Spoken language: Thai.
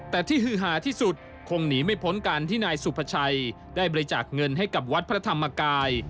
แต่ที่ฮือหาที่สุดคงหนีไม่พ้นการที่นายสุภาชัยได้บริจาคเงินให้กับวัดพระธรรมกาย